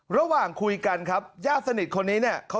ระหว่างคุยกันครับญาติสนิทคนนี้เนี่ย